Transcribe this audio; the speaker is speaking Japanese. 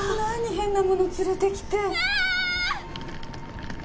変なもの連れてきて」